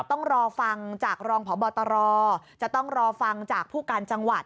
ต้องรอฟังจากรองพบตรจะต้องรอฟังจากผู้การจังหวัด